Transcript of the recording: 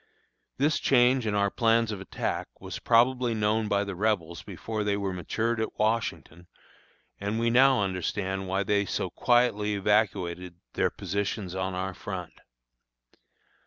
This change in our plans of attack was probably known by the Rebels before they were matured at Washington, and we now understand why they so quietly evacuated their positions on our front.